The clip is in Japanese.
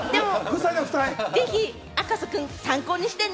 ぜひ赤楚くん、参考にしてね！